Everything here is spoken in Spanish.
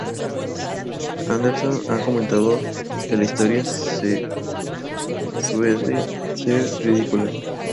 Anderson ha comentado que la historia de Suede es "...ridícula.